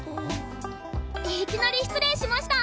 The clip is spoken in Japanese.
いきなり失礼しました。